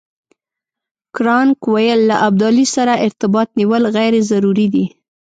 کرناک ویل له ابدالي سره ارتباط نیول غیر ضروري دي.